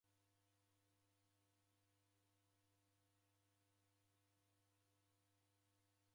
Ukalegha sighana na omoni